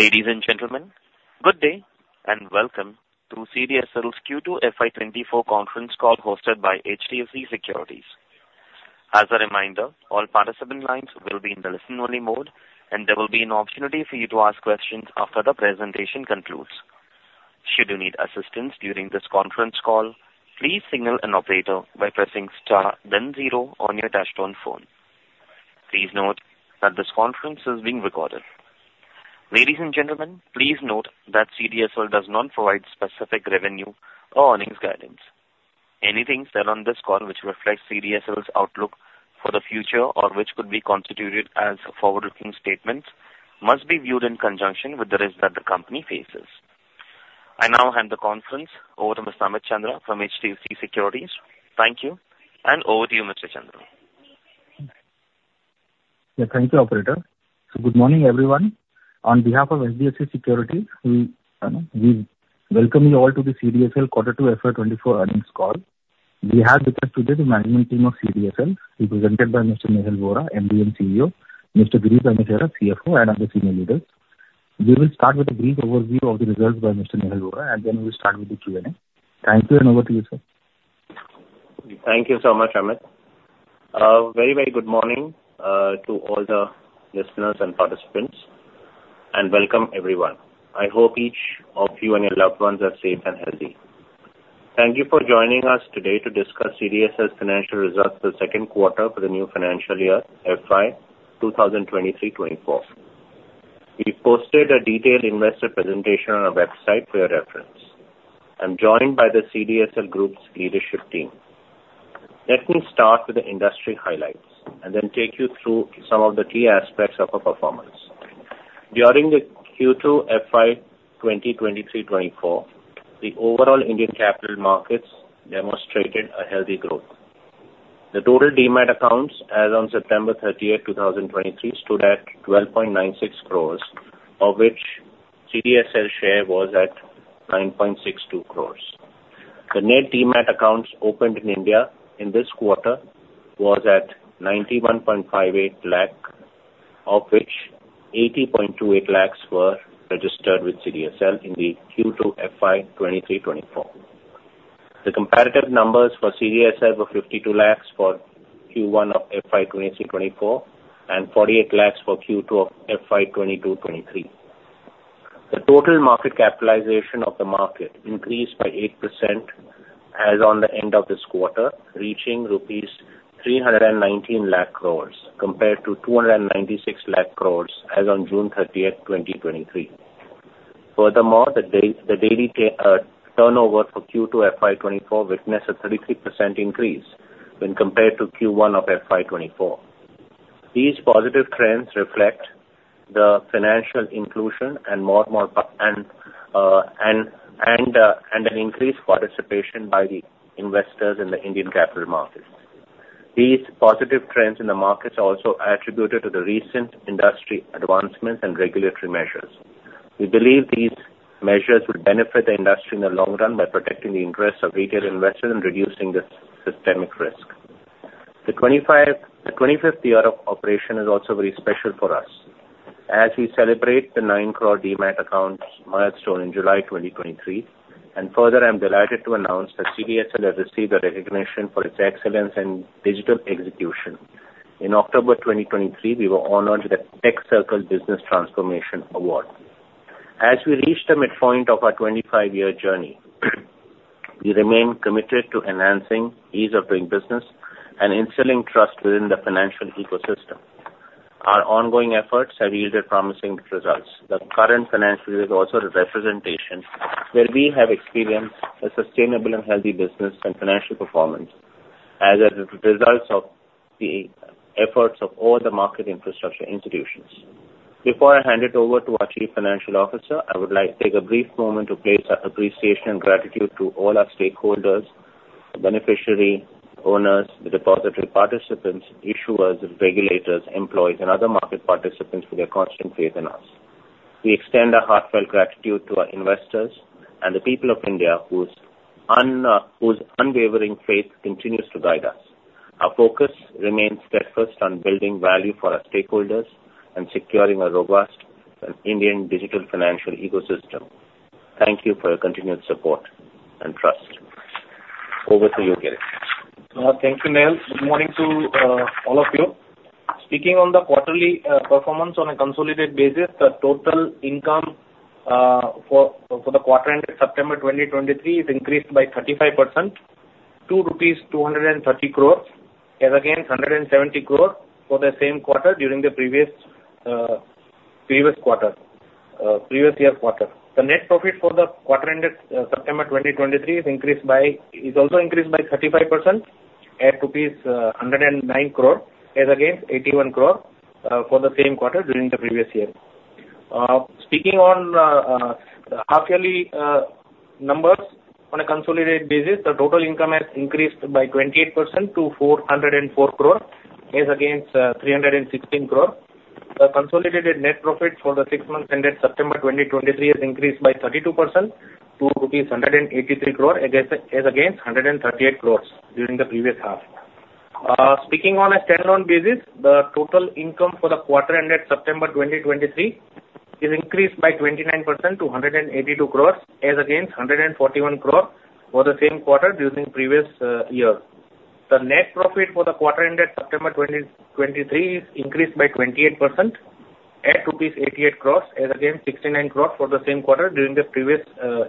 Ladies and gentlemen, good day, and welcome to CDSL's Q2 FY 2024 Conference Call, hosted by HDFC Securities. As a reminder, all participant lines will be in the listen-only mode, and there will be an opportunity for you to ask questions after the presentation concludes. Should you need assistance during this conference call, please signal an operator by pressing star, then zero on your touchtone phone. Please note that this conference is being recorded. Ladies and gentlemen, please note that CDSL does not provide specific revenue or earnings guidance. Anything said on this call which reflects CDSL's outlook for the future or which could be constituted as forward-looking statements, must be viewed in conjunction with the risk that the company faces. I now hand the conference over to Mr. Amit Chandra from HDFC Securities. Thank you, and over to you, Mr. Chandra. Yeah. Thank you, operator. So good morning, everyone. On behalf of HDFC Securities, we welcome you all to the CDSL Q2 FY 2024 Earnings Call. We have with us today the management team of CDSL, represented by Mr. Nehal Vora, MD & CEO, Mr. Girish Amesara, CFO, and other senior leaders. We will start with a brief overview of the results by Mr. Nehal Vora, and then we'll start with the Q&A. Thank you, and over to you, sir. Thank you so much, Amit. Very, very good morning to all the listeners and participants, and welcome everyone. I hope each of you and your loved ones are safe and healthy. Thank you for joining us today to discuss CDSL's financial results for the Q2 for the new financial year, FY 2023-2024. We posted a detailed investor presentation on our website for your reference. I'm joined by the CDSL group's leadership team. Let me start with the industry highlights, and then take you through some of the key aspects of our performance. During the Q2 FY 2023-2024, the overall Indian capital markets demonstrated a healthy growth. The total Demat accounts as on September 30, 2023, stood at 12.96 crores, of which CDSL share was at 9.62 crores. The net Demat accounts opened in India in this quarter was at 91.58 lakh, of which 80.28 lakhs were registered with CDSL in the Q2 FY 2023-2024. The comparative numbers for CDSL were 52 lakhs for Q1 of FY 2023-2024, and 48 lakhs for Q2 of FY 2022-23. The total market capitalization of the market increased by 8% as on the end of this quarter, reaching rupees 31,900,000 crore, compared to 29,600,000 crore as on June 30, 2023. Furthermore, the daily turnover for Q2 FY 2024 witnessed a 33% increase when compared to Q1 of FY 2024. These positive trends reflect the financial inclusion and more and more, and an increased participation by the investors in the Indian capital markets. These positive trends in the markets are also attributed to the recent industry advancements and regulatory measures. We believe these measures will benefit the industry in the long run by protecting the interests of retail investors and reducing the systemic risk. The 25th year of operation is also very special for us, as we celebrate the 9 crore Demat accounts milestone in July 2023, and further, I'm delighted to announce that CDSL has received a recognition for its excellence in digital execution. In October 2023, we were honored with the TechCircle Business Transformation Award. As we reach the midpoint of our 25-year journey, we remain committed to enhancing ease of doing business and instilling trust within the financial ecosystem. Our ongoing efforts have yielded promising results. The current financial year is also a representation where we have experienced a sustainable and healthy business and financial performance as a result of the efforts of all the market infrastructure institutions. Before I hand it over to our Chief Financial Officer, I would like to take a brief moment to place our appreciation and gratitude to all our stakeholders, beneficial owners, the depository participants, issuers, regulators, employees, and other market participants for their constant faith in us. We extend our heartfelt gratitude to our investors and the people of India, whose unwavering faith continues to guide us. Our focus remains steadfast on building value for our stakeholders and securing a robust Indian digital financial ecosystem. Thank you for your continued support and trust. Over to you, Girish. Thank you, Nehal. Good morning to all of you. Speaking on the quarterly performance on a consolidated basis, the total income for the quarter ended September 2023 has increased by 35% to rupees 230 crore, as against 170 crore for the same quarter during the previous year quarter. The net profit for the quarter ended September 2023 is also increased by 35% at rupees 109 crore, as against 81 crore for the same quarter during the previous year. Speaking on half-yearly numbers on a consolidated basis, the total income has increased by 28% to 404 crore, as against 316 crore. The consolidated net profit for the six months ended September 2023 has increased by 32% to 183 crore, against, as against 138 crore during the previous half. Speaking on a standalone basis, the total income for the quarter ended September 2023 is increased by 29% to 182 crore, as against 141 crore for the same quarter during previous year. The net profit for the quarter ended September 2023 increased by 28% at rupees 88 crore, as against 69 crore for the same quarter during the previous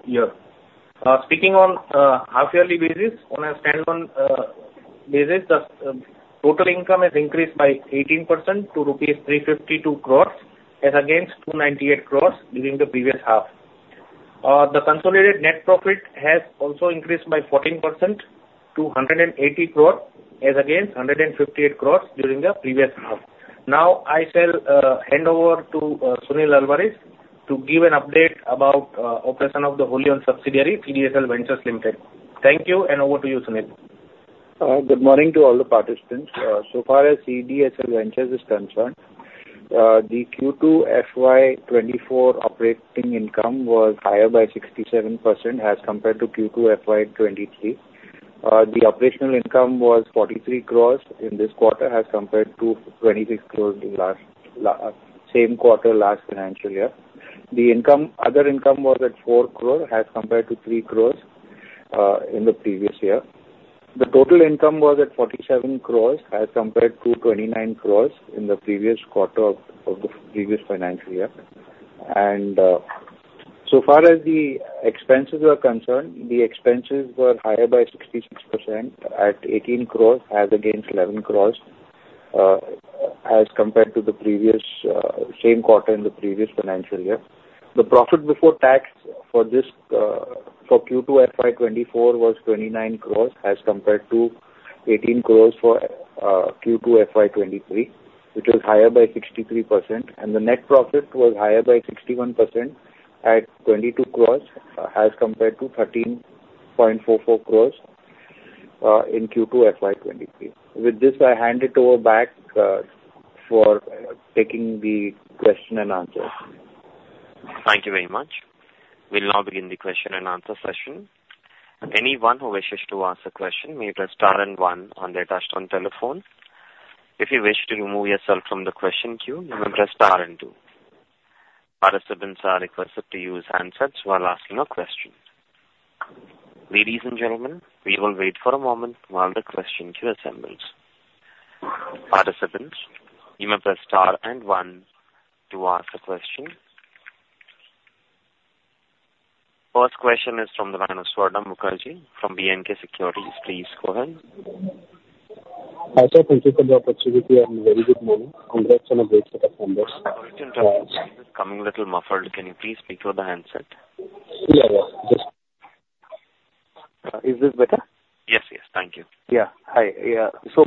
year. Speaking on half-yearly basis, on a standalone basis, the total income has increased by 18% to rupees 352 crore, as against 298 crore during the previous half. The consolidated net profit has also increased by 14% to 180 crore, as against 158 crore during the previous half. Now, I shall hand over to Sunil Alvares to give an update about operation of the wholly-owned subsidiary, CDSL Ventures Limited. Thank you, and over to you, Sunil. Good morning to all the participants. So far as CDSL Ventures is concerned, the Q2 FY 2024 operating income was higher by 67% as compared to Q2 FY 2023. The operational income was 43 crore in this quarter as compared to 26 crore in last same quarter, last financial year. The other income was at 4 crore as compared to 3 crore in the previous year. The total income was at 47 crore as compared to 29 crore in the previous quarter of the previous financial year. And so far as the expenses are concerned, the expenses were higher by 66% at 18 crore, as against 11 crore, as compared to the previous same quarter in the previous financial year. The profit before tax for this for Q2 FY 2024 was 29 crore, as compared to 18 crore for Q2 FY 2023, which was higher by 63%, and the net profit was higher by 61% at 22 crore, as compared to 13.44 crore in Q2 FY 2023. With this, I hand it over back for taking the question and answers. Thank you very much. We'll now begin the question and answer session. Anyone who wishes to ask a question, may press star and one on their touchtone telephone. If you wish to remove yourself from the question queue, you may press star and two. Participants are requested to use handsets while asking a question. Ladies and gentlemen, we will wait for a moment while the question queue assembles. Participants, you may press star and one to ask a question. First question is from the line of Swarna Mukherjee from B&K Securities. Please go ahead. Hi, sir, thank you for the opportunity and very good morning. Congrats on a great set of numbers. Coming a little muffled. Can you please speak through the handset? Yeah, yeah. Just... is this better? Yes, yes. Thank you. Yeah. Hi. Yeah. So,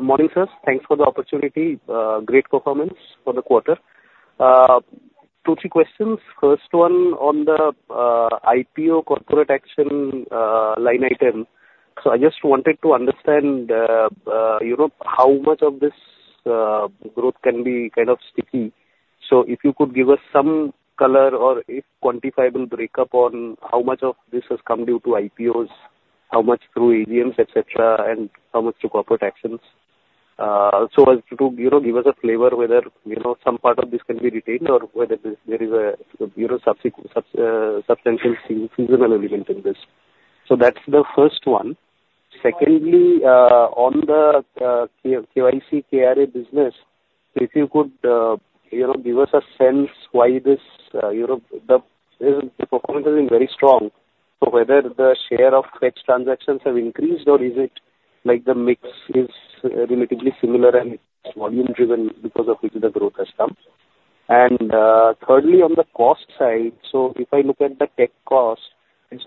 morning, sir. Thanks for the opportunity. Great performance for the quarter. Two, three questions. First one on the, IPO corporate action, line item. So I just wanted to understand, you know, how much of this, growth can be kind of sticky. So if you could give us some color or a quantifiable breakup on how much of this has come due to IPOs, how much through AGMs, et cetera, and how much through corporate actions. Also as to, you know, give us a flavor whether, you know, some part of this can be retained or whether there, there is a, you know, subsequent, substantial seasonal element in this. So that's the first one. Secondly, on the KYC, KRA business, if you could, you know, give us a sense why this, you know, the performance has been very strong, so whether the share of Fetch transactions have increased, or is it like the mix is relatively similar and volume-driven, because of which the growth has come? And, thirdly, on the cost side, so if I look at the tech cost,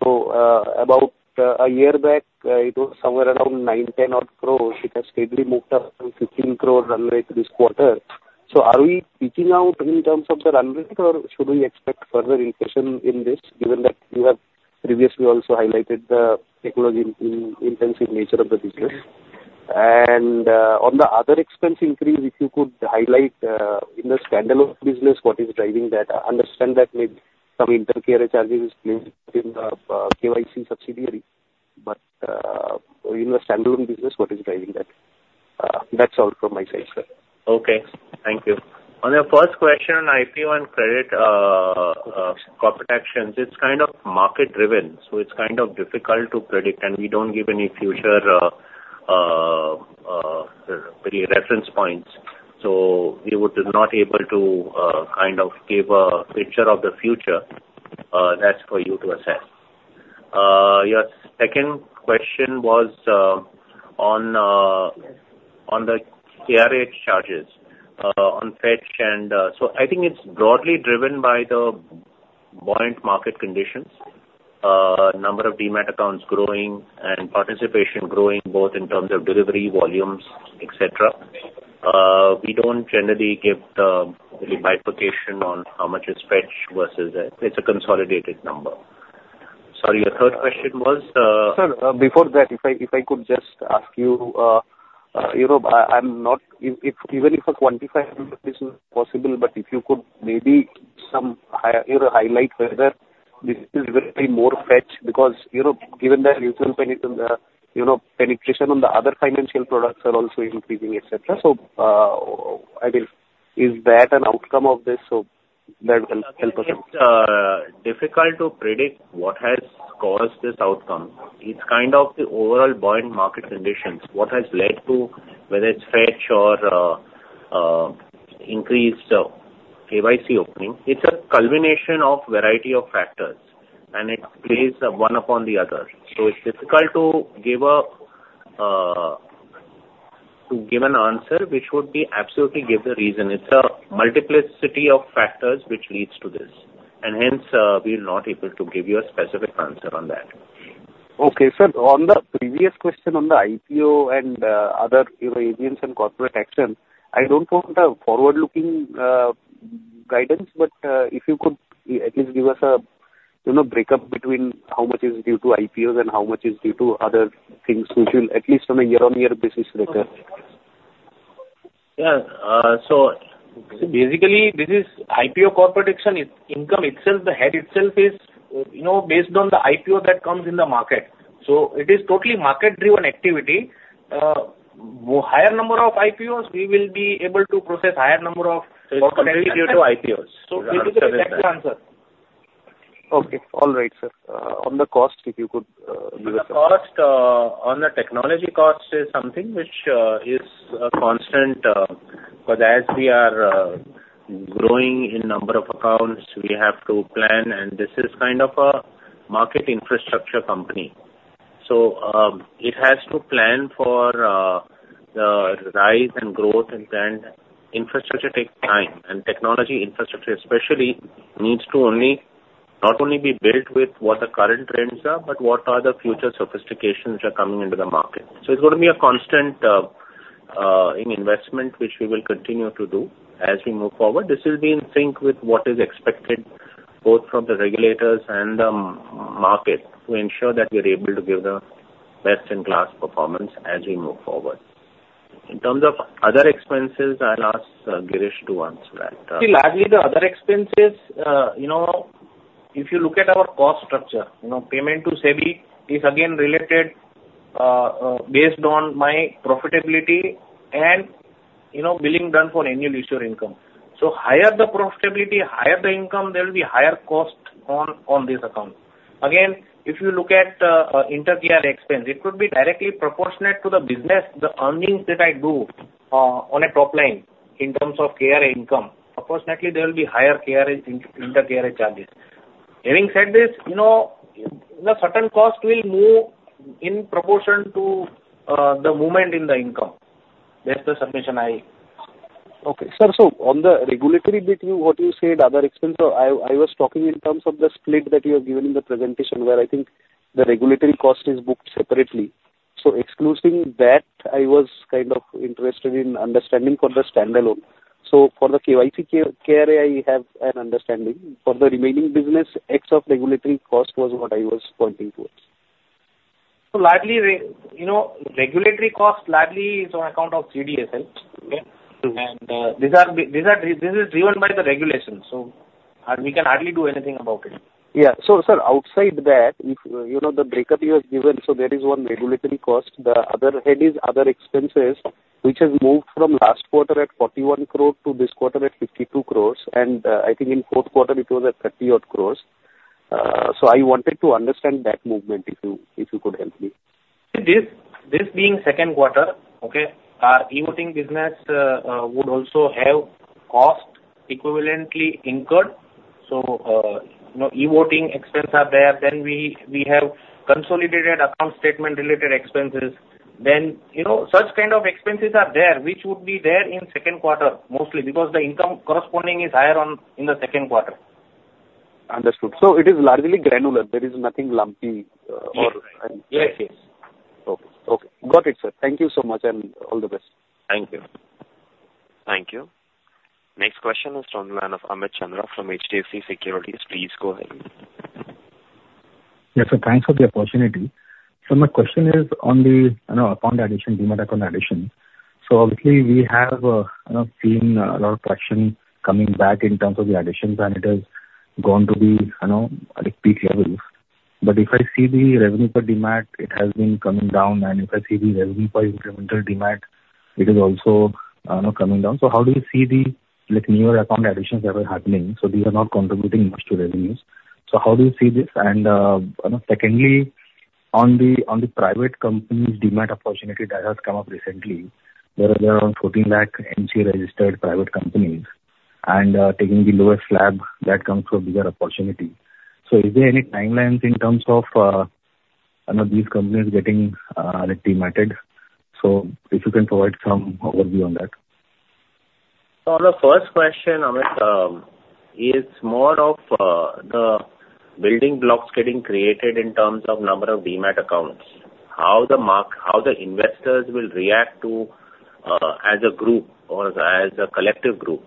so, about a year back, it was somewhere around 9- 10 crores. It has steadily moved up from 15 crore run rate this quarter. So are we peaking out in terms of the run rate, or should we expect further increase in this, given that you have previously also highlighted the technology-intensive nature of the business? On the other expense increase, if you could highlight in the standalone business, what is driving that? I understand that maybe some inter-KRA charges is maybe in the KYC subsidiary, but in the standalone business, what is driving that? That's all from my side, sir. Okay, thank you. On your first question on IPO and credit corporate actions, it's kind of market-driven, so it's kind of difficult to predict, and we don't give any future pretty reference points, so we would not able to kind of give a picture of the future. That's for you to assess. Your second question was on the KRA charges on Fetch. And, so I think it's broadly driven by the buoyant market conditions, number of Demat accounts growing and participation growing, both in terms of delivery volumes, et cetera. We don't generally give the bifurcation on how much is Fetch versus... It's a consolidated number. Sorry, your third question was, Sir, before that, if I could just ask you, you know, even if quantifying this is possible, but if you could maybe somehow, you know, highlight whether this is very much Fetch because, you know, given the retail penetration, the, you know, penetration on the other financial products are also increasing, et cetera. So, I mean, is that an outcome of this? So that will help us. It's difficult to predict what has caused this outcome. It's kind of the overall buoyant market conditions, what has led to whether it's Fetch or increased KYC opening. It's a culmination of variety of factors, and it plays one upon the other. So it's difficult to give an answer, which would be absolutely give the reason. It's a multiplicity of factors which leads to this, and hence, we're not able to give you a specific answer on that. Okay, sir, on the previous question on the IPO and, other, you know, agents and corporate action, I don't want a forward-looking, guidance, but, if you could at least give us a, you know, break up between how much is due to IPOs and how much is due to other things, which will at least on a year-on-year basis later. Yeah. So basically, this is IPO corporate action. Income itself, the head itself is, you know, based on the IPO that comes in the market, so it is totally market-driven activity. Higher number of IPOs, we will be able to process higher number of- Due to IPOs. So that's the answer. Okay. All right, sir. On the cost, if you could, give us- The cost on the technology cost is something which is a constant, but as we are growing in number of accounts, we have to plan, and this is kind of a market infrastructure company. So, it has to plan for the rise and growth, and then infrastructure takes time, and technology infrastructure especially needs to only, not only be built with what the current trends are, but what are the future sophistications which are coming into the market. So it's going to be a constant in investment, which we will continue to do as we move forward. This will be in sync with what is expected, both from the regulators and the market, to ensure that we are able to give the best-in-class performance as we move forward. In terms of other expenses, I'll ask Girish to answer that. See, largely the other expenses, you know, if you look at our cost structure, you know, payment to SEBI is again related, based on my profitability and, you know, billing done for annual issuer income. So higher the profitability, higher the income, there will be higher cost on, on this account. Again, if you look at, inter-KRA expense, it would be directly proportionate to the business, the earnings that I do, on a top line in terms of KRA income. Unfortunately, there will be higher KRA in, inter-KRA charges. Having said this, you know, the certain cost will move in proportion to, the movement in the income. That's the submission I... Okay, sir, so on the regulatory bit, you, what you said, other expenses, so I was talking in terms of the split that you have given in the presentation, where I think the regulatory cost is booked separately. So excluding that, I was kind of interested in understanding for the standalone. So for the KYC, KRA, I have an understanding. For the remaining business, ex of regulatory cost was what I was pointing towards. So largely, you know, regulatory cost largely is on account of CDSL, okay? Mm-hmm. This is driven by the regulations, so we can hardly do anything about it. Yeah. So, sir, outside that, if you know, the breakup you have given, so there is one regulatory cost. The other head is other expenses, which has moved from last quarter at 41 crore to this quarter at 52 crores, and I think in Q4, it was at 30-odd crores. So I wanted to understand that movement, if you could help me. This, this being Q2, okay, our e-voting business would also have cost equivalently incurred. So, you know, e-voting expenses are there. Then we have consolidated account statement-related expenses. Then, you know, such kind of expenses are there, which would be there in Q2, mostly because the income corresponding is higher on in the Q2. Understood. So it is largely granular. There is nothing lumpy, or- Yes. Okay. Okay, got it, sir. Thank you so much, and all the best. Thank you. Thank you. Next question is from the line of Amit Chandra from HDFC Securities. Please go ahead. Yes, so thanks for the opportunity. So my question is on the, you know, account addition, Demat account addition. So obviously, we have, you know, seen a lot of traction coming back in terms of the additions, and it has gone to the, you know, at peak levels. But if I see the revenue for Demat, it has been coming down, and if I see the revenue for incremental Demat, it is also, you know, coming down. So how do you see the, like, newer account additions that are happening? So these are not contributing much to revenues. So how do you see this? And, you know, secondly, on the, on the private companies, Demat opportunity that has come up recently, there are around 14 lakh MCA-registered private companies, and, taking the lower slab, that comes to a bigger opportunity. So is there any timelines in terms of, you know, these companies getting, like, Dematted? So if you can provide some overview on that. So on the first question, Amit, is more of the building blocks getting created in terms of number of Demat accounts. How the investors will react to, as a group or as a collective group,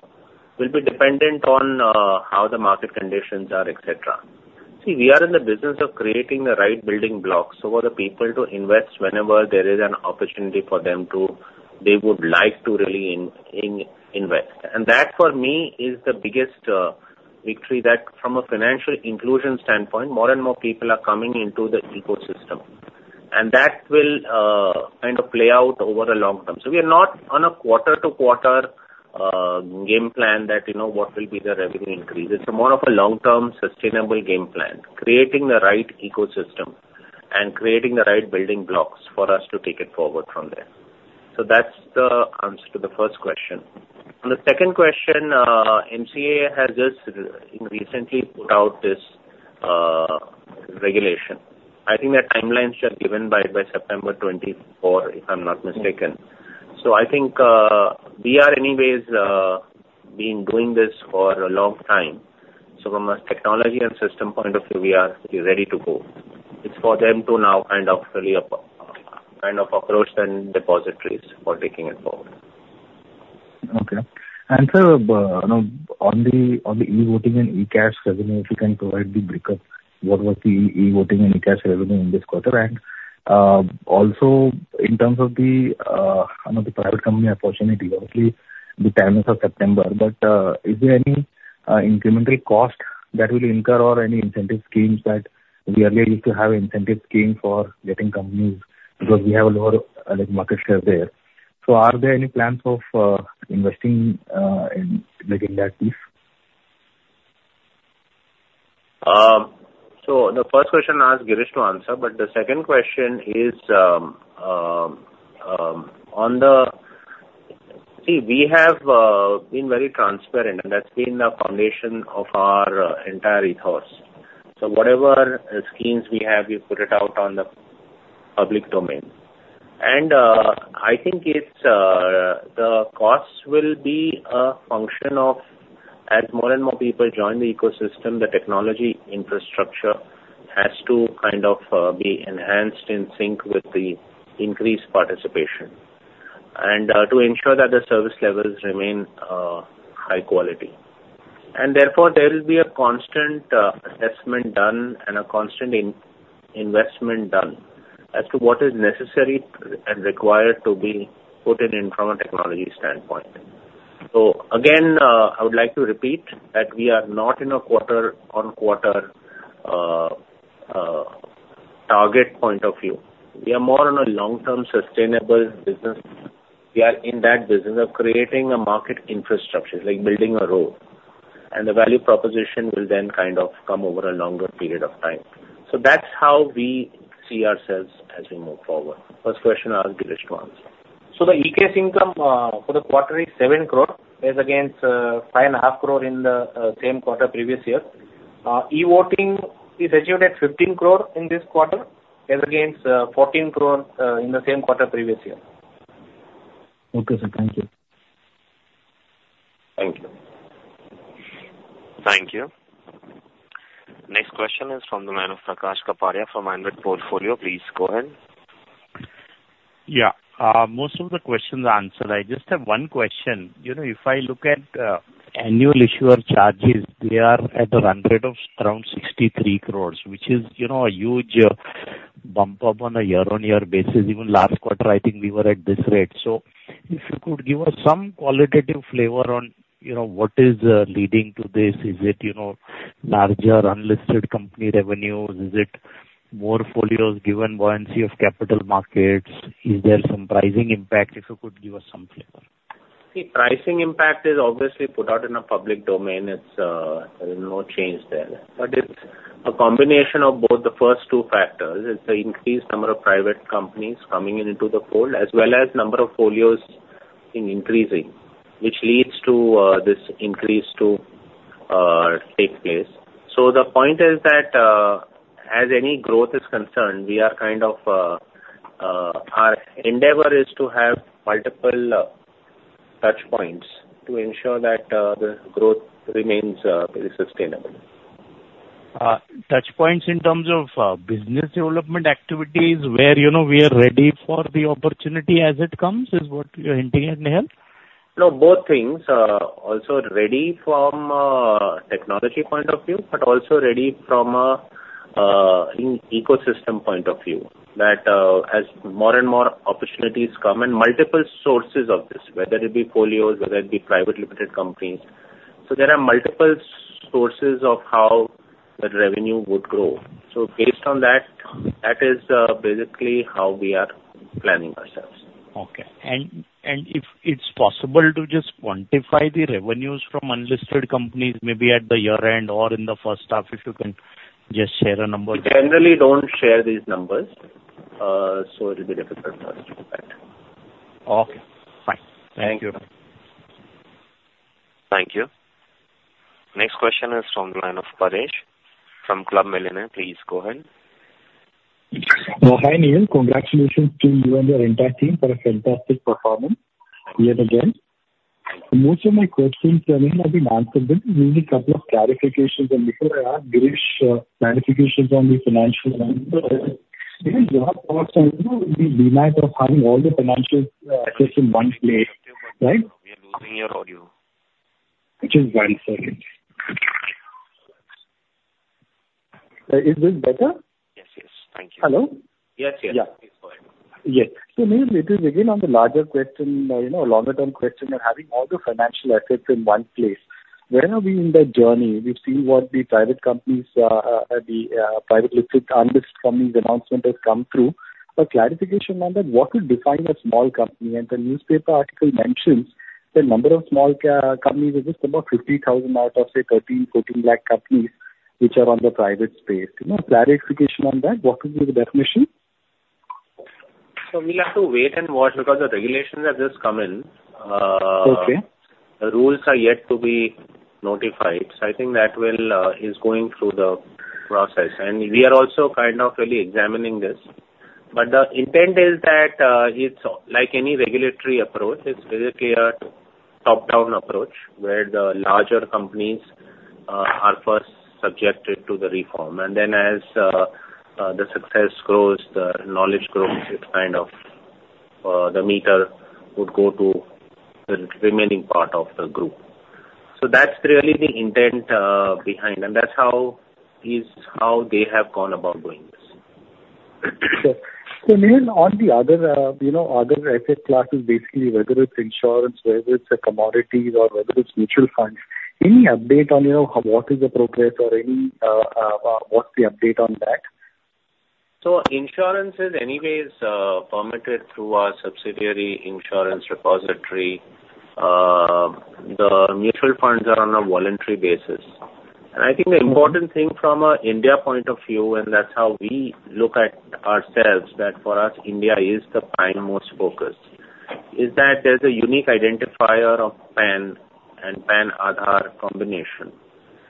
will be dependent on how the market conditions are, et cetera. See, we are in the business of creating the right building blocks for the people to invest whenever there is an opportunity for them to they would like to really invest. And that, for me, is the biggest victory that from a financial inclusion standpoint, more and more people are coming into the ecosystem. And that will kind of play out over the long term. So we are not on a quarter-to-quarter game plan that, you know, what will be the revenue increase. It's more of a long-term, sustainable game plan, creating the right ecosystem and creating the right building blocks for us to take it forward from there. So that's the answer to the first question. On the second question, MCA has just, you know, recently put out this regulation. I think the timelines are given by, by September 2024, if I'm not mistaken. So I think, we are anyways, been doing this for a long time. So from a technology and system point of view, we are ready to go. It's for them to now kind of really, kind of approach then depositories for taking it forward. Okay. Sir, now, on the e-voting and e-CAS revenue, if you can provide the breakup, what was the e-voting and e-CAS revenue in this quarter? Also, in terms of the private company opportunity, obviously, the time is of September, but is there any incremental cost that will incur or any incentive schemes that we earlier used to have incentive scheme for getting companies, because we have a lower, like, market share there. So are there any plans of investing in making that piece? So the first question, I'll ask Girish to answer, but the second question is on the... See, we have been very transparent, and that's been the foundation of our entire ethos. So whatever schemes we have, we put it out on the public domain. And I think it's the costs will be a function of as more and more people join the ecosystem, the technology infrastructure has to kind of be enhanced in sync with the increased participation, and to ensure that the service levels remain high quality. And therefore, there will be a constant assessment done and a constant investment done as to what is necessary and required to be put in from a technology standpoint. So again, I would like to repeat, that we are not in a quarter-on-quarter target point of view. We are more on a long-term, sustainable business. We are in that business of creating a market infrastructure. It's like building a road, and the value proposition will then kind of come over a longer period of time. So that's how we see ourselves as we move forward. First question, I'll ask Girish to answer. So the e-CAS income for the quarter is 7 crore, as against 5.5 crore in the same quarter previous year. e-Voting is achieved at 15 crore in this quarter, as against 14 crore in the same quarter previous year. Okay, sir. Thank you. Thank you. Thank you. Next question is from the line of Prakash Kapadia from Ambit Portfolio. Please go ahead. Yeah. Most of the questions are answered. I just have one question. You know, if I look at annual issuer charges, they are at the run rate of around 63 crore, which is, you know, a huge bump up on a year-on-year basis. Even last quarter, I think we were at this rate. So if you could give us some qualitative flavor on, you know, what is leading to this? Is it, you know, larger unlisted company revenues? Is it more folios, given buoyancy of capital markets? Is there some pricing impact, if you could give us some flavor? The pricing impact is obviously put out in a public domain. It's. There's no change there. But it's a combination of both the first two factors. It's the increased number of private companies coming into the fold, as well as number of folios in increasing, which leads to this increase to take place. So the point is that, as any growth is concerned, we are kind of our endeavor is to have multiple touch points to ensure that the growth remains sustainable. Touch points in terms of, business development activities, where, you know, we are ready for the opportunity as it comes, is what you're hinting at, Nehal? No, both things. Also ready from a technology point of view, but also ready from a, an ecosystem point of view. That, as more and more opportunities come and multiple sources of this, whether it be folios, whether it be private limited companies, so there are multiple sources of how the revenue would grow. So based on that, that is, basically how we are planning ourselves. Okay. And if it's possible to just quantify the revenues from unlisted companies, maybe at the year-end or in the first half, if you can just share a number? We generally don't share these numbers, so it'll be difficult for us to do that. Okay, fine. Thank you. Thank you. Next question is from the line of Paresh from Club Millionaire. Please go ahead. Hi, Nehal. Congratulations to you and your entire team for a fantastic performance yet again. Most of my questions have been answered, but maybe a couple of clarifications, and before I ask Girish, clarifications on the financial end. Nehal, your thoughts on, you know, the demand of having all the financial access in one place, right? We are losing your audio. Just one second... Is this better? Yes, yes. Thank you. Hello? Yes, yes. Yeah. It's fine. Yes. So Nehal, it is again, on the larger question, you know, longer term question of having all the financial assets in one place. Where are we in that journey? We've seen what the private companies, the unlisted private companies announcement has come through. But clarification on that, what will define a small company? And the newspaper article mentions the number of small companies is just about 50,000 out of, say, 13-14 lakh companies which are on the private space. You know, clarification on that, what will be the definition? So we'll have to wait and watch because the regulations have just come in. Okay. The rules are yet to be notified. So I think that will is going through the process. And we are also kind of really examining this. But the intent is that, it's like any regulatory approach, it's basically a top-down approach, where the larger companies are first subjected to the reform. And then as the success grows, the knowledge grows, it kind of the meter would go to the remaining part of the group. So that's really the intent behind, and that's how is how they have gone about doing this. So, so Nehal, on the other, you know, other asset classes, basically, whether it's insurance, whether it's a commodities or whether it's mutual funds, any update on, you know, what is appropriate or any, what's the update on that? So insurance is anyways permitted through our subsidiary insurance repository. The mutual funds are on a voluntary basis. And I think the important thing from a India point of view, and that's how we look at ourselves, that for us India is the prime most focus, is that there's a unique identifier of PAN and PAN-Aadhaar combination,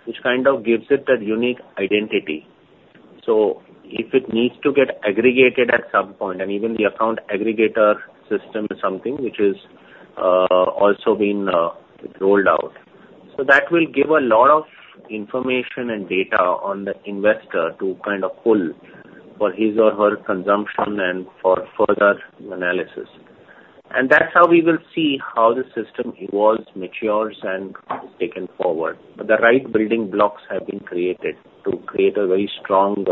which kind of gives it that unique identity. So if it needs to get aggregated at some point, and even the account aggregator system is something which is also been rolled out. So that will give a lot of information and data on the investor to kind of pull for his or her consumption and for further analysis. And that's how we will see how the system evolves, matures and is taken forward. The right building blocks have been created to create a very strong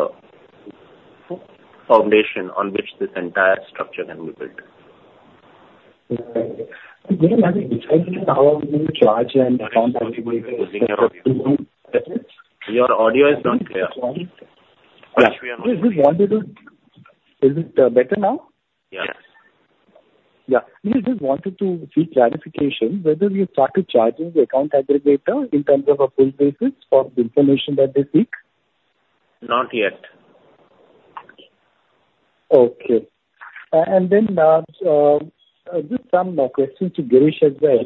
foundation on which this entire structure can be built. Right. Your audio is not clear. Is it better now? Yes. Yeah. We just wanted to seek clarification whether you started charging the account aggregator in terms of a pay basis for the information that they seek? Not yet. Okay. And then, just some questions to Girish as well.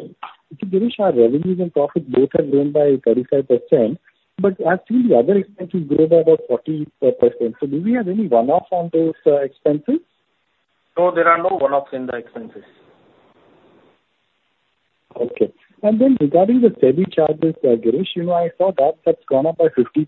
To Girish, our revenues and profits both have grown by 35%, but actually the other expenses grew by about 40%. So do we have any one-offs on those expenses? No, there are no one-offs in the expenses. Okay. And then regarding the SEBI charges, Girish, you know, I saw that that's gone up by 50%,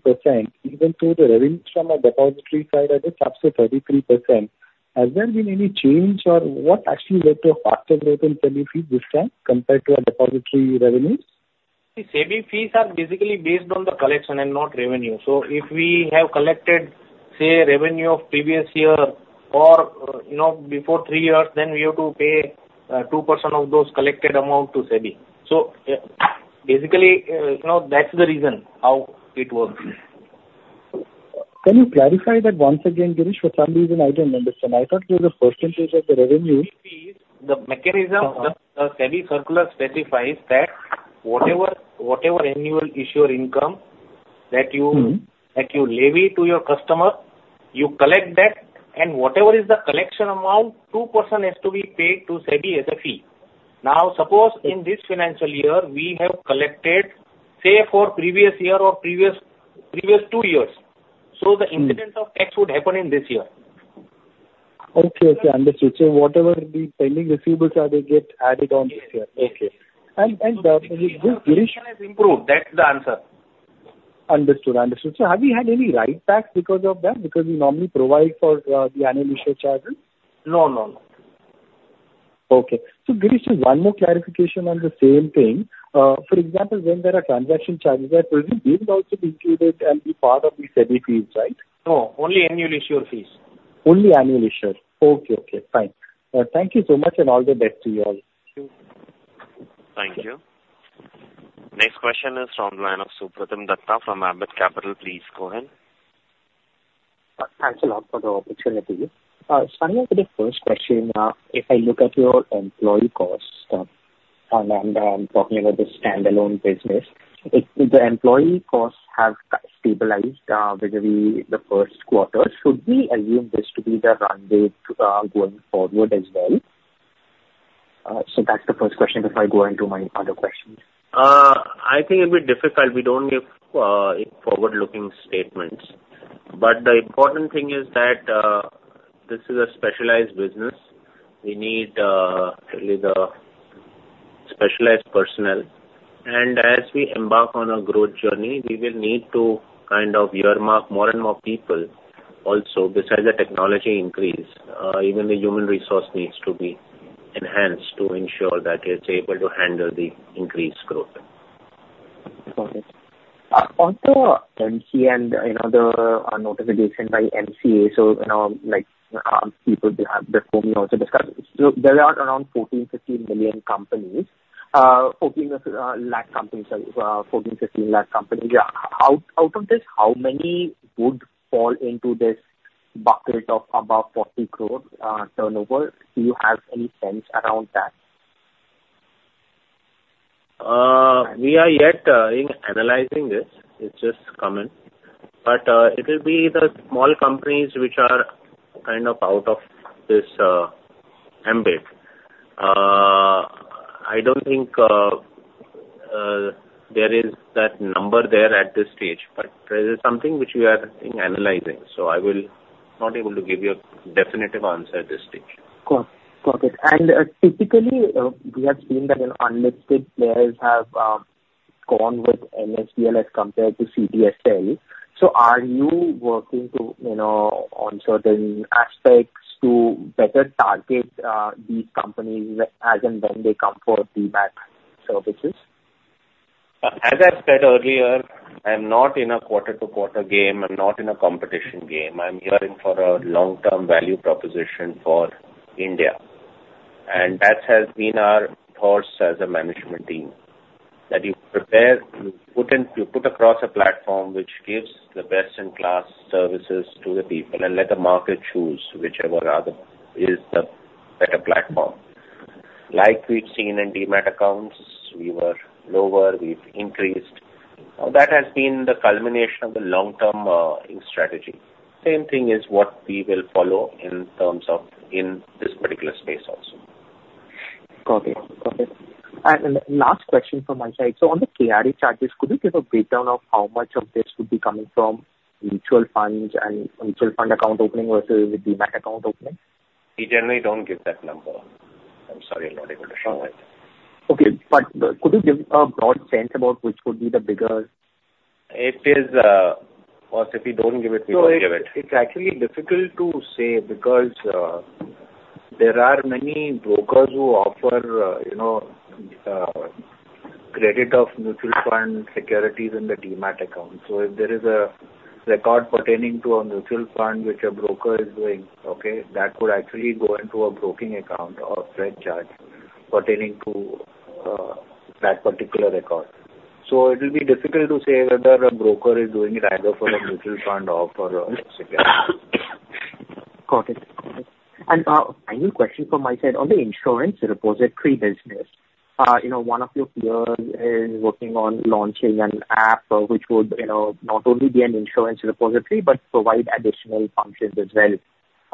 even though the revenues from a depository side are just up to 33%. Has there been any change or what actually led to a faster growth in SEBI fee this time compared to our depository revenues? The SEBI fees are basically based on the collection and not revenue. So if we have collected, say, revenue of previous year or, you know, before three years, then we have to pay 2% of those collected amount to SEBI. So, basically, you know, that's the reason how it works. Can you clarify that once again, Girish? For some reason, I don't understand. I thought it was a percentage of the revenue. Fees, the mechanism, the SEBI circular specifies that whatever annual issuer income that you- Mm-hmm. -that you levy to your customer, you collect that, and whatever is the collection amount, 2% has to be paid to SEBI as a fee. Now, suppose in this financial year, we have collected, say, for previous year or previous, previous two years. Mm. The incidence of tax would happen in this year. Okay. Okay. Understood. So whatever the pending receivables are, they get added on this year. Yes. Okay. And Girish- Has improved, that's the answer. Understood. Understood. So have you had any write backs because of that? Because we normally provide for the annual issuer charges. No, no, no. Okay. So Girish, just one more clarification on the same thing. For example, when there are transaction charges that will, these will also be included and be part of the SEBI fees, right? No, only annual issuer fees. Only annual issuer. Okay. Okay, fine. Thank you so much, and all the best to you all. Thank you. Next question is from the line of Supratim Datta from Ambit Capital. Please go ahead. Thanks a lot for the opportunity. Starting with the first question, if I look at your employee costs, and I'm talking about the standalone business. If the employee costs have stabilized, literally the Q1, should we assume this to be the runway going forward as well? So that's the first question before I go into my other questions. I think it'd be difficult. We don't give, it forward-looking statements. But the important thing is that, this is a specialized business. We need, really the specialized personnel. And as we embark on a growth journey, we will need to kind of earmark more and more people also, besides the technology increase, even the human resource needs to be enhanced to ensure that it's able to handle the increased growth. Got it. On the MCA and, you know, the notification by MCA, so, you know, like, people before me also discussed. So there are around 14-15 million companies, 14 lakh companies, 14-15 lakh companies. Yeah. Out of this, how many would fall into this bucket of above 40 crore turnover? Do you have any sense around that? We are yet in analyzing this. It's just coming. But it will be the small companies which are kind of out of this Ambit. I don't think there is that number there at this stage, but this is something which we are analyzing, so I will not able to give you a definitive answer at this stage. Got it. And typically, we have seen that, you know, unlisted players have gone with NSDL as compared to CDSL. So are you working to, you know, on certain aspects to better target these companies as and when they come for Demat services? As I said earlier, I'm not in a quarter-to-quarter game, I'm not in a competition game. I'm here in for a long-term value proposition for India. And that has been our course as a management team, that you prepare to put across a platform which gives the best-in-class services to the people, and let the market choose whichever rather is the better platform. Like we've seen in Demat accounts, we were lower, we've increased. That has been the culmination of the long-term strategy. Same thing is what we will follow in terms of in this particular space also. Got it. Got it. Last question from my side. On the KRA charges, could you give a breakdown of how much of this would be coming from mutual funds and mutual fund account opening versus the Demat account opening? We generally don't give that number. I'm sorry, I'm not able to share it. Okay, but could you give a broad sense about which would be the bigger? It is, or if we don't give it, we give it. So it's actually difficult to say, because there are many brokers who offer, you know, credit of mutual fund securities in the Demat account. So if there is a record pertaining to a mutual fund which a broker is doing, okay, that could actually go into a broking account or a trade charge pertaining to that particular record. So it will be difficult to say whether a broker is doing it either for a mutual fund or for a security. Got it. And, final question from my side. On the insurance repository business, you know, one of your peers is working on launching an app which would, you know, not only be an insurance repository, but provide additional functions as well.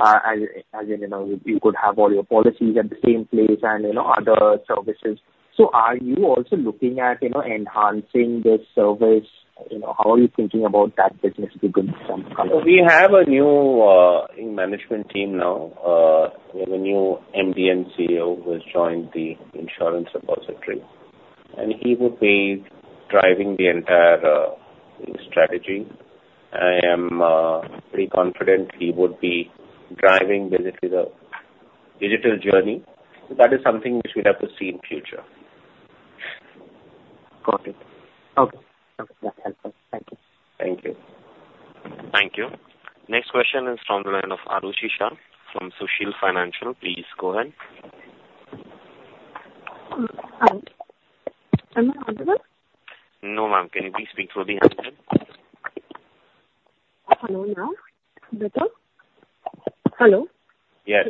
As in, you know, you could have all your policies at the same place and, you know, other services. So are you also looking at, you know, enhancing this service? You know, how are you thinking about that business going forward? We have a new in management team now. We have a new MD and CEO who has joined the insurance repository, and he would be driving the entire strategy. I am pretty confident he would be driving this with a digital journey. That is something which we'll have to see in future. Got it. Okay. Okay, thank you. Thank you. Thank you. Next question is from the line of Arushi Shah from Sushil Financial. Please go ahead. Hi. Am I audible? No, ma'am. Can you please speak through the handheld? Hello. Now, better? Hello. Yes.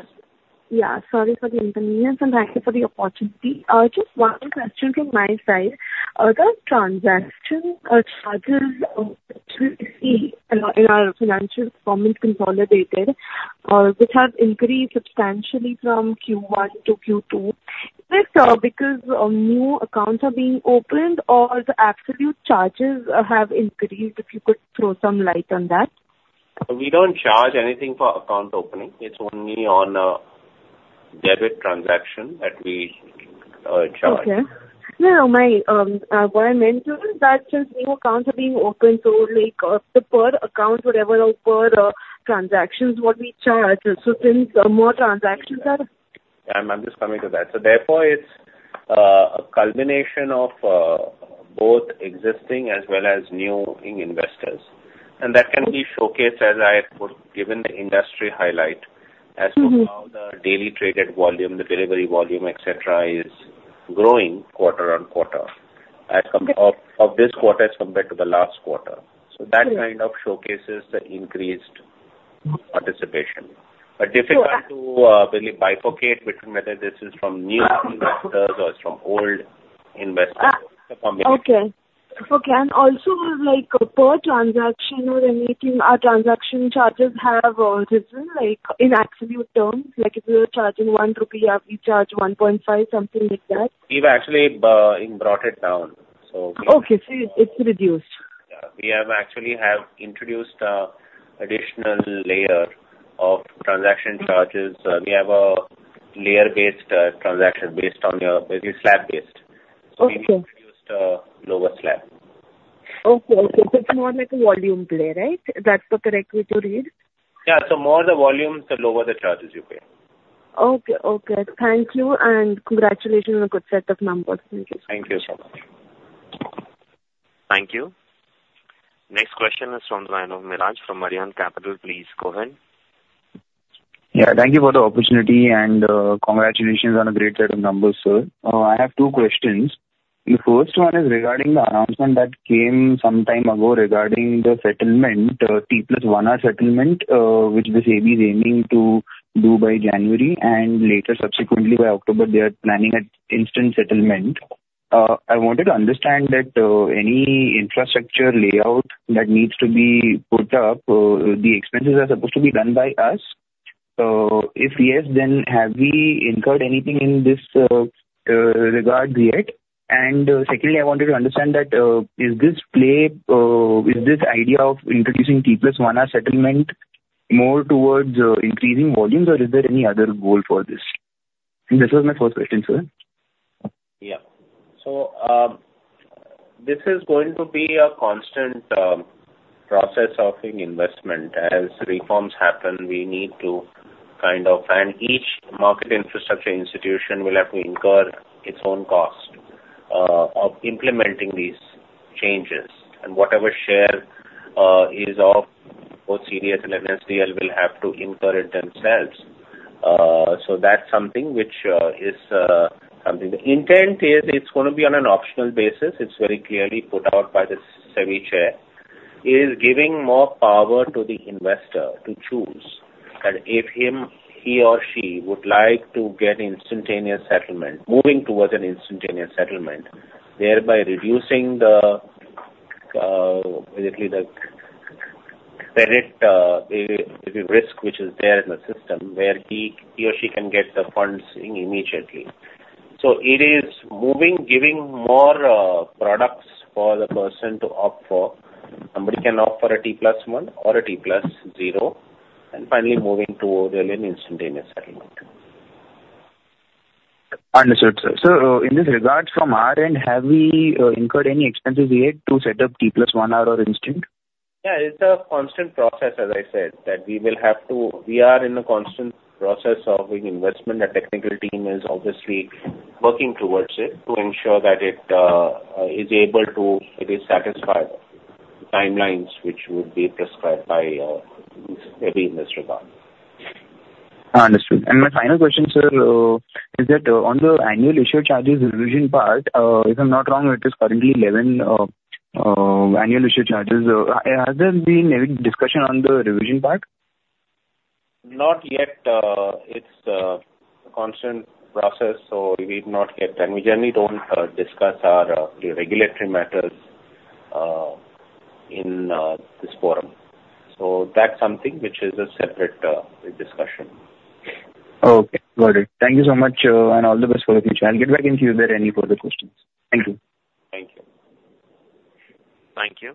Yeah, sorry for the inconvenience, and thank you for the opportunity. Just one question from my side. The transaction charges to see in our financial performance consolidated, which has increased substantially from Q1 to Q2. Is that because of new accounts are being opened or the absolute charges have increased? If you could throw some light on that. We don't charge anything for account opening. It's only on debit transaction that we charge. Okay. No, my, what I meant is that since new accounts are being opened, so like, the per account, whatever, or per, transactions what we charge, so since more transactions are... I'm just coming to that. So therefore, it's a culmination of both existing as well as new investors. And that can be showcased as I had put, given the industry highlight- Mm-hmm. As to how the daily traded volume, the delivery volume, et cetera, is growing quarter-on-quarter, this quarter as compared to the last quarter. Mm. So that kind of showcases the increased participation. So, uh- Difficult to really bifurcate between whether this is from new investors or it's from old investors. Uh- It's a combination. Okay. Okay, and also, like, per transaction or anything, our transaction charges have risen, like, in absolute terms? Like if we were charging 1 rupee, or we charge 1.5, something like that. We've actually brought it down. So we- Okay, so it's reduced. Yeah. We have actually introduced an additional layer of transaction charges. Mm. We have a layer-based transaction based on your. It's slab-based. Okay. We introduced a lower slab.... Okay, okay. So it's more like a volume play, right? That's the correct way to read? Yeah. So more the volume, the lower the charges you pay. Okay, okay. Thank you, and congratulations on a good set of numbers. Thank you. Thank you so much. Thank you. Next question is from the line of Miraj from Arihant Capital. Please go ahead. Yeah, thank you for the opportunity, and, congratulations on a great set of numbers, sir. I have two questions. The first one is regarding the announcement that came some time ago regarding the settlement, T+1 hour settlement, which the SEBI is aiming to do by January, and later, subsequently by October, they are planning an instant settlement. I wanted to understand that, any infrastructure layout that needs to be put up, the expenses are supposed to be done by us. If yes, then have we incurred anything in this regard yet? And secondly, I wanted to understand that, is this play, is this idea of introducing T+1 hour settlement more towards, increasing volumes, or is there any other goal for this? And this was my first question, sir. Yeah. So, this is going to be a constant process of investment. As reforms happen, we need to kind of, and each market infrastructure institution will have to incur its own cost of implementing these changes, and whatever share is of both CDSL and NSDL will have to incur it themselves. So that's something which is something. The intent is it's going to be on an optional basis. It's very clearly put out by the SEBI chair, is giving more power to the investor to choose. And if him, he or she would like to get instantaneous settlement, moving towards an instantaneous settlement, thereby reducing the basically the credit the risk which is there in the system, where he, he or she can get the funds in immediately. So it is moving, giving more products for the person to opt for. Somebody can opt for a T+1 or a T+0, and finally moving to really an instantaneous settlement. Understood, sir. So in this regard, from our end, have we incurred any expenses yet to set up T plus one hour or instant? Yeah, it's a constant process, as I said, that we will have to. We are in a constant process of investment. The technical team is obviously working towards it to ensure that it is able, it is satisfied with the timelines which would be prescribed by SEBI in this regard. Understood. And my final question, sir, is that on the annual issuer charges revision part, if I'm not wrong, it is currently 11 annual issuer charges. Has there been any discussion on the revision part? Not yet. It's a constant process, so we've not yet, and we generally don't discuss our, the regulatory matters, in this forum. So that's something which is a separate discussion. Okay, got it. Thank you so much, and all the best for the future. I'll get back in if there are any further questions. Thank you. Thank you. Thank you.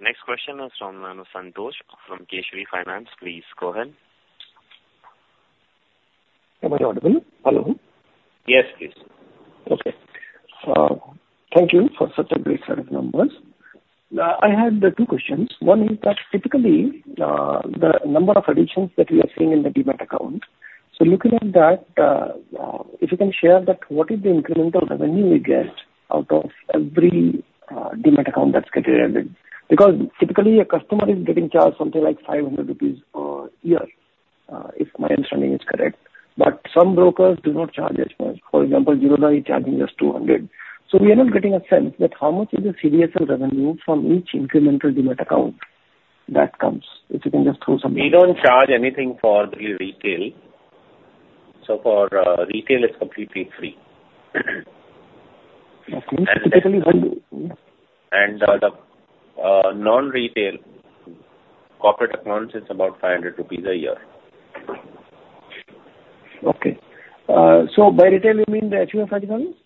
Next question is from Santosh, from Kesari Finance. Please go ahead. Am I audible? Hello. Yes, please. Okay. Thank you for such a great set of numbers. I had two questions. One is that typically, the number of additions that we are seeing in the Demat account. So looking at that, if you can share that, what is the incremental revenue we get out of every, Demat account that's created? Because typically, a customer is getting charged something like 500 rupees per year, if my understanding is correct, but some brokers do not charge as much. For example, Zerodha is charging just 200. So we are not getting a sense that how much is the CDSL revenue from each incremental Demat account that comes, if you can just throw some light? We don't charge anything for the retail. So for retail, it's completely free. Okay, typically when- The non-retail corporate accounts, it's about 500 rupees a year. Okay. So by retail, you mean the HUF account?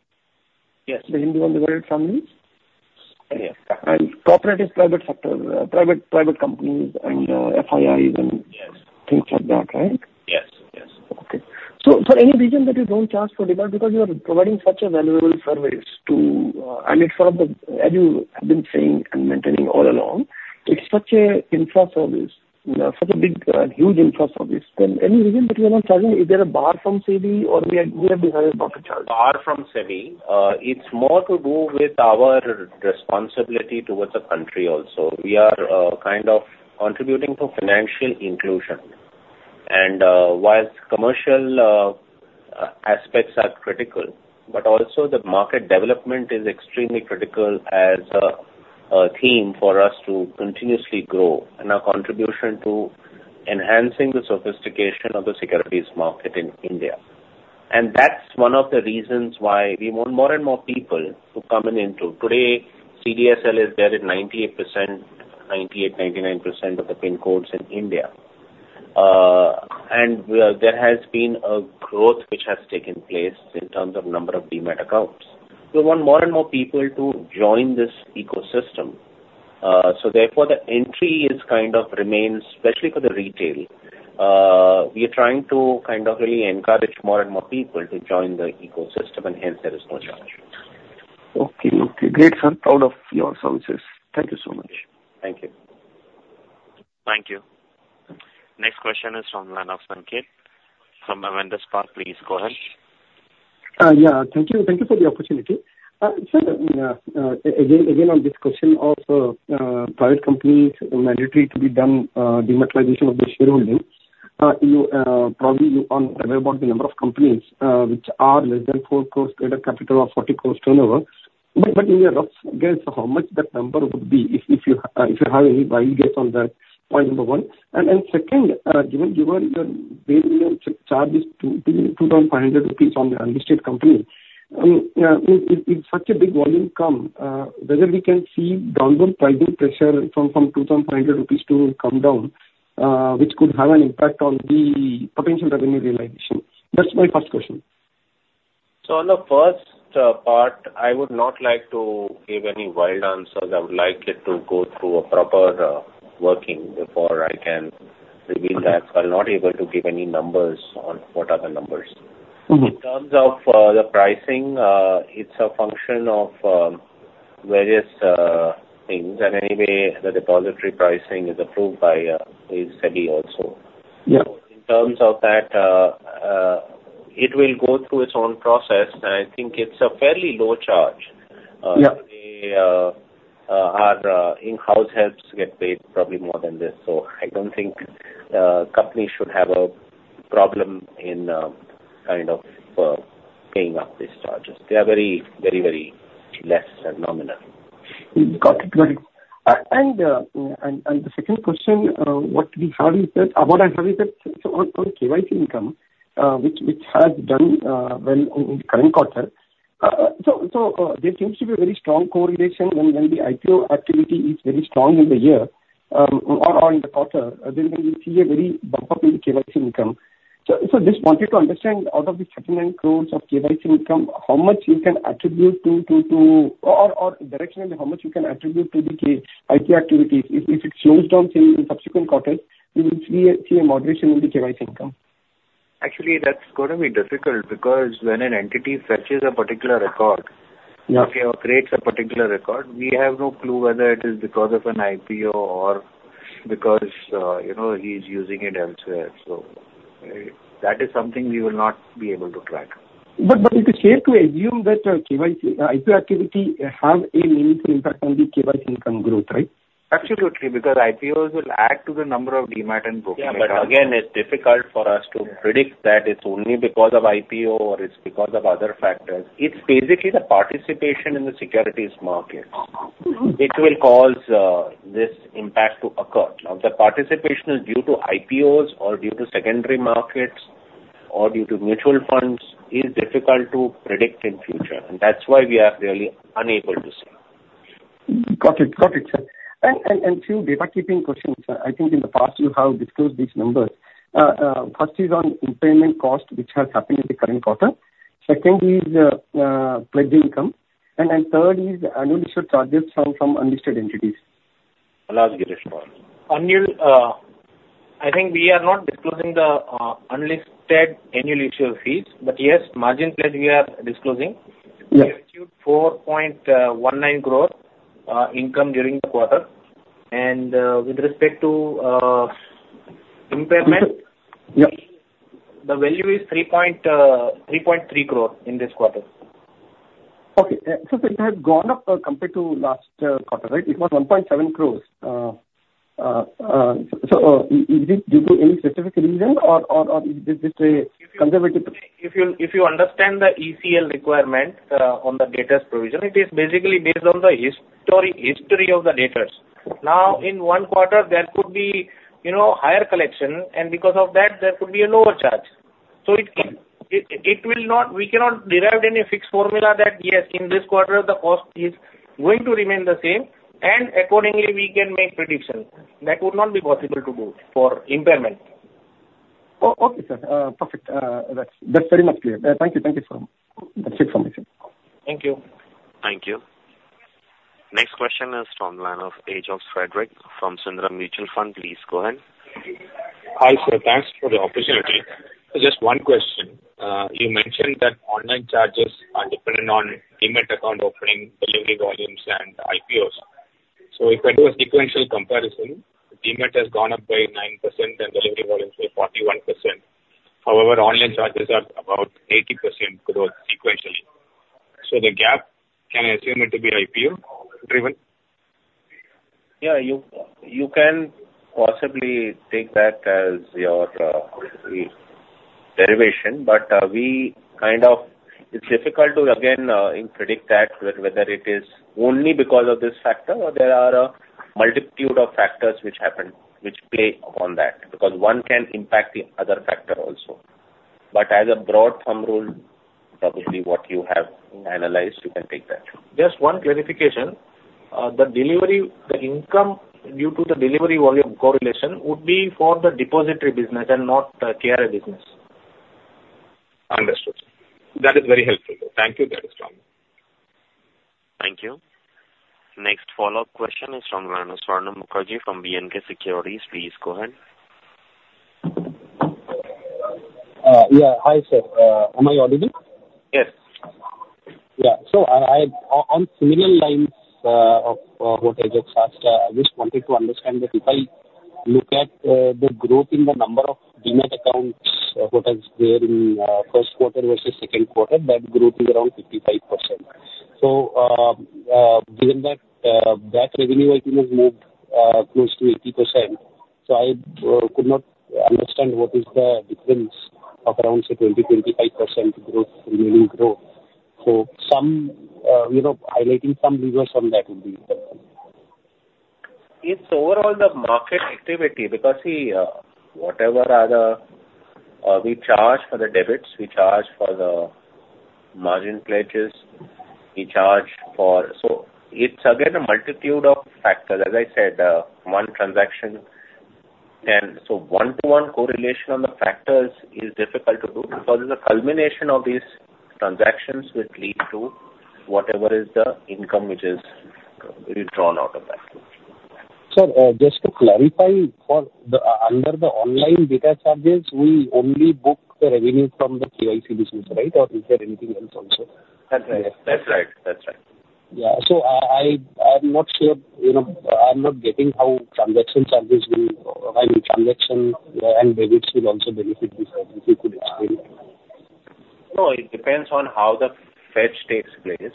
Yes. The Hindu Undivided Family? Yes. And corporate is private sector, private, private companies and FIIs and- Yes. things like that, right? Yes, yes. Okay. So for any reason that you don't charge for Demat, because you are providing such a valuable service to, and it's one of the-- as you have been saying and maintaining all along, it's such a infra service, such a big, huge infra service. Then any reason that you are not charging? Is there a bar from SEBI or we are, we have decided not to charge? Barring SEBI, it's more to do with our responsibility towards the country also. We are kind of contributing to financial inclusion. While commercial aspects are critical, but also the market development is extremely critical as a team for us to continuously grow and our contribution to enhancing the sophistication of the securities market in India. That's one of the reasons why we want more and more people to come in into... Today, CDSL is there at 98%, 98%-99% of the pin codes in India. There has been a growth which has taken place in terms of number of Demat accounts. We want more and more people to join this ecosystem.... Therefore, the entry kind of remains, especially for the retail. We are trying to kind of really encourage more and more people to join the ecosystem, and hence there is no charge. Okay, okay. Great, sir. Proud of your services. Thank you so much. Thank you. Thank you. Next question is from Sanket Godha from Avendus Spark. Please go ahead. Yeah, thank you. Thank you for the opportunity. Sir, again on this question of private companies mandatory to be done Dematerialization of their shareholding. You probably are aware about the number of companies which are less than 4 crores paid-up capital or 40 crores turnover. But in a rough guess, how much that number would be, if you have any wild guess on that? Point number one. And second, given the value charge is 2,500 rupees on the unlisted company, if such a big volume come, whether we can see downward pricing pressure from 2,500 rupees to come down, which could have an impact on the potential revenue realization. That's my first question. So on the first part, I would not like to give any wild answers. I would like it to go through a proper working before I can reveal that. I'm not able to give any numbers on what are the numbers. Mm-hmm. In terms of the pricing, it's a function of various things, and anyway, the depository pricing is approved by SEBI also. Yeah. In terms of that, it will go through its own process, and I think it's a fairly low charge. Yeah. Our in-house helps get paid probably more than this, so I don't think companies should have a problem in kind of paying up these charges. They are very, very, very less and nominal. Got it. Got it. And the second question, what I have is that, so on KYC income, which has done well in current quarter. So there seems to be a very strong correlation when the IPO activity is very strong in the year, or in the quarter, then we see a very bump up in KYC income. So just wanted to understand, out of the certain 9 crore of KYC income, how much you can attribute to... Or directionally, how much you can attribute to the IPO activities? If it slows down in subsequent quarters, you will see a moderation in the KYC income. Actually, that's gonna be difficult, because when an entity fetches a particular record- Yeah. or creates a particular record, we have no clue whether it is because of an IPO or because, you know, he's using it elsewhere. So, that is something we will not be able to track. But, but it is safe to assume that, KYC, IPO activity have a meaningful impact on the KYC income growth, right? Absolutely, because IPOs will add to the number of Demat and brokerage- Yeah, but again, it's difficult for us to predict that it's only because of IPO or it's because of other factors. It's basically the participation in the securities markets. Mm-hmm. It will cause this impact to occur. Now, the participation is due to IPOs or due to secondary markets or due to mutual funds, is difficult to predict in future, and that's why we are really unable to say. Got it. Got it, sir. Few data keeping questions. I think in the past you have disclosed these numbers. First is on impairment cost, which has happened in the current quarter. Second is pledge income, and then third is annual issuer charges from unlisted entities. I'll ask Girish to respond. Annual, I think we are not disclosing the unlisted annual issue fees, but yes, margin pledge we are disclosing. Yeah. We received 4.19 crore income during the quarter. With respect to impairment- Yeah. The value is 3.3 crore in this quarter. Okay. So it has gone up, compared to last quarter, right? It was 1.7 crore. So, is this due to any specific reason or is this a conservative? If you understand the ECL requirement on the debtors provision, it is basically based on the history of the debtors. Now, in one quarter, there could be, you know, higher collection, and because of that, there could be a lower charge. So it will not... We cannot derive any fixed formula that, yes, in this quarter, the cost is going to remain the same, and accordingly, we can make predictions. That would not be possible to do for impairment. Oh, okay, sir. Perfect. That's, that's very much clear. Thank you. Thank you, sir. That's it from my side. Thank you. Thank you. Next question is from the line of Ajox Frederick from Sundaram Mutual Fund. Please go ahead. Hi, sir. Thanks for the opportunity. Just one question. You mentioned that online charges are dependent on Demat account opening, delivery volumes, and IPOs. So if I do a sequential comparison, Demat has gone up by 9% and delivery volumes by 41%. However, online charges are about 80% growth sequentially. So the gap, can I assume it to be IPO-driven? Yeah, you can possibly take that as your derivation, but we kind of... It's difficult to again predict that, whether it is only because of this factor or there are a multitude of factors which happen, which play upon that, because one can impact the other factor also. But as a broad thumb rule, probably what you have analyzed, you can take that. Just one clarification. The delivery, the income due to the delivery volume correlation would be for the depository business and not KRA business? Understood. That is very helpful. Thank you, Mr. Swami. Thank you. Next follow-up question is from Swarna Mukherjee from B&K Securities. Please go ahead. Yeah. Hi, sir. Am I audible? Yes. Yeah. So, on similar lines of what Ajox asked, I just wanted to understand that if I look at the growth in the number of Demat accounts, what is there in Q1 versus Q2, that growth is around 55%. So, given that, that revenue item has moved close to 80%, so I could not understand what is the difference of around, say, 20%-25% growth, revenue growth. So, some, you know, highlighting some details on that would be helpful. It's overall the market activity, because, see, whatever are the, we charge for the debits, we charge for the margin pledges, we charge for.... So it's again a multitude of factors. As I said, one transaction can. So one-to-one correlation on the factors is difficult to do, because it's a culmination of these transactions which lead to whatever is the income which is withdrawn out of that. Sir, just to clarify, under the online data charges, we only book the revenue from the KYC business, right? Or is there anything else also? That's right. That's right. That's right. Yeah. So I'm not sure, you know, I'm not getting how transaction charges will, how transaction and debits will also benefit this service, if you could explain? No, it depends on how the fetch takes place.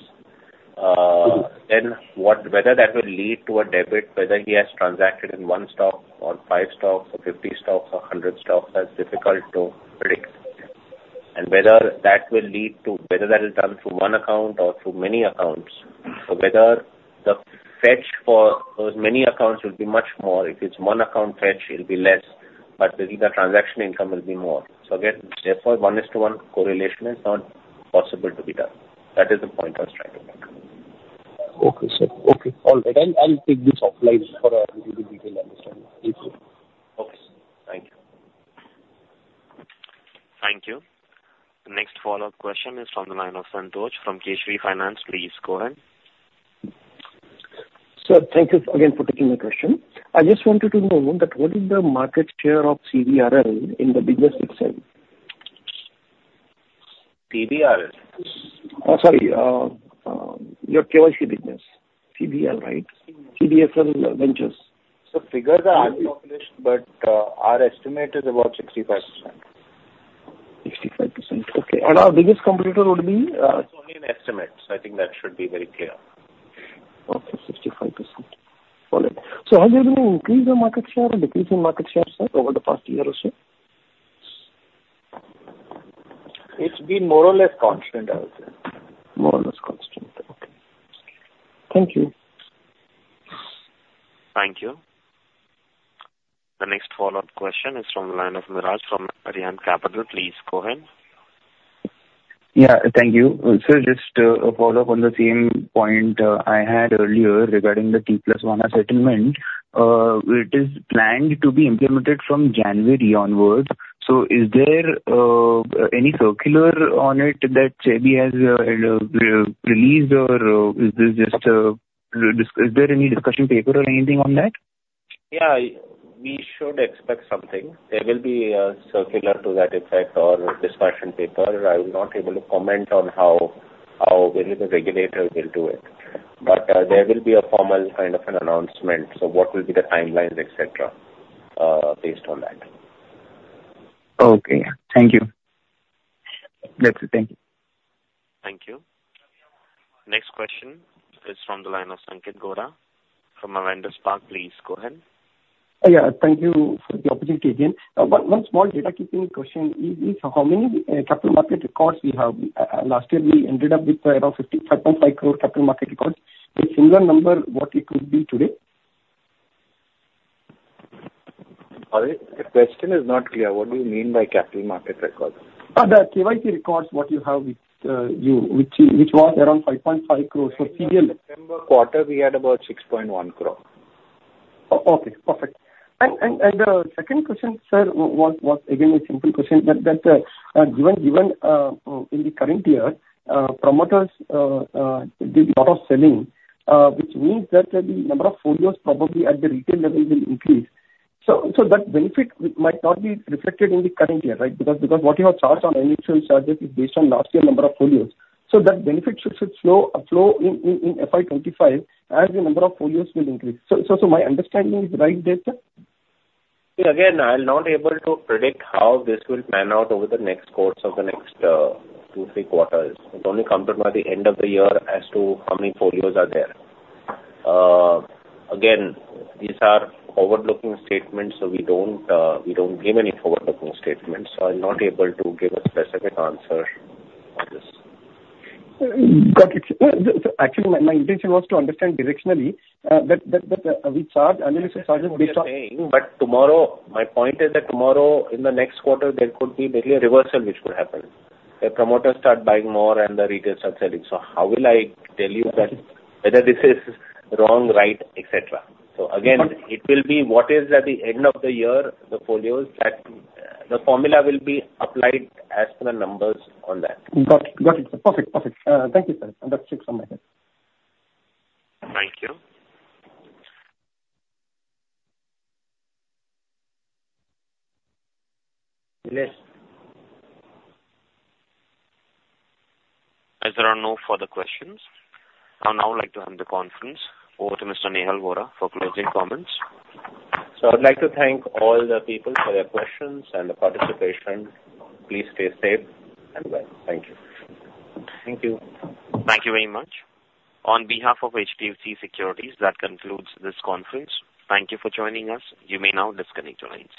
Then what, whether that will lead to a debit, whether he has transacted in one stock or five stocks or 50 stocks or 100 stocks, that's difficult to predict. And whether that will lead to, whether that is done through one account or through many accounts. So whether the fetch for those many accounts will be much more, if it's one account fetch, it'll be less, but the transaction income will be more. So again, therefore, one is to one correlation is not possible to be done. That is the point I was trying to make. Okay, sir. Okay. All right. I'll, I'll take this offline for a little bit detail understanding. Thank you. Okay. Thank you. Thank you. The next follow-up question is from the line of Santosh from Kesari Finance. Please go ahead. Sir, thank you again for taking my question. I just wanted to know that what is the market share of CDSL in the business itself? CDRL? your KYC business. CVL, right? CDSL Ventures. So figures are in population, but, our estimate is about 65%. 65%. Okay. Our biggest competitor would be, It's only an estimate, so I think that should be very clear. Okay, 65%. Got it. So have you been increasing market share or decreasing market share, sir, over the past year or so? It's been more or less constant, I would say. More or less constant. Okay. Thank you. Thank you. The next follow-up question is from the line of Miraj from Arihandh Capital. Please go ahead. Yeah, thank you. Sir, just a follow-up on the same point I had earlier regarding the T+1 settlement. It is planned to be implemented from January onwards, so is there any circular on it that SEBI has released, or is this just— Is there any discussion paper or anything on that? Yeah, we should expect something. There will be a circular to that effect or a discussion paper. I will not be able to comment on how well the regulator will do it, but there will be a formal kind of an announcement. So what will be the timelines, et cetera, based on that. Okay. Thank you. That's it. Thank you. Thank you. Next question is from the line of Sanket Godha from Avendus Spark. Please go ahead. Yeah, thank you for the opportunity again. A small data keeping question is how many capital market records we have? Last year we ended up with around 55.5 crore capital market records. The similar number, what it could be today? Sorry, the question is not clear. What do you mean by capital market records? The KYC records what you have with you, which was around 5.5 crore for CDSL. September quarter, we had about 6.1 crore. Okay, perfect. And the second question, sir, was again a simple question, that given in the current year, promoters did a lot of selling, which means that the number of folios probably at the retail level will increase. So that benefit might not be reflected in the current year, right? Because what you have charged on annual charges is based on last year's number of folios. So that benefit should flow in FY 25 as the number of folios will increase. So my understanding is right there, sir? Again, I'm not able to predict how this will pan out over the next course of the next 2, 3 quarters. It only comes out by the end of the year as to how many folios are there. Again, these are forward-looking statements, so we don't, we don't give any forward-looking statements, so I'm not able to give a specific answer on this. Got it. Actually, my intention was to understand directionally that we charge annual charges- But tomorrow, my point is that tomorrow, in the next quarter, there could be maybe a reversal which could happen. The promoters start buying more and the retailers start selling. So how will I tell you that whether this is wrong, right, et cetera? So again- Got it. It will be what is at the end of the year, the folios, that the formula will be applied as per the numbers on that. Got it. Got it. Perfect. Perfect. Thank you, sir. That's it from my end. Thank you. As there are no further questions, I would now like to hand the conference over to Mr. Nehal Vora for closing comments. I'd like to thank all the people for their questions and participation. Please stay safe and well. Thank you. Thank you. Thank you very much. On behalf of HDFC Securities, that concludes this conference. Thank you for joining us. You may now disconnect your lines.